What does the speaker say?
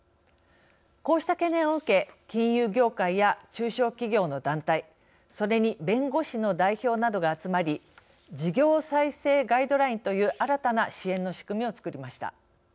こうした懸念を受け金融業界や中小企業の団体それに弁護士の代表などが集まり事業再生ガイドラインという新たな支援の仕組みをつくりました。